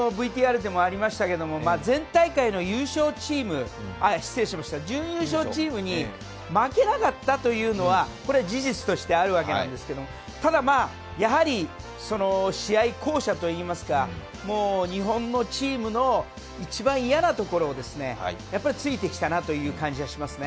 前回大会の準優勝チームに負けなかったというのは事実としてあることなんですけれどもただやはり、試合巧者といいますか日本のチームの一番嫌なところをやっぱり、突いてきたなという感じがしますね。